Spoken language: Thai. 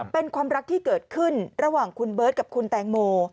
เป็นความรักที่เกิดขึ้นระหว่างคุณเบิร์ตกับคุณแตงโม